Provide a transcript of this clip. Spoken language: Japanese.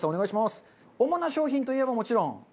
主な商品といえばもちろん。